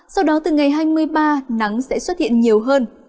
sau đó từ ngày hai mươi ba nắng sẽ xuất hiện nhiều hơn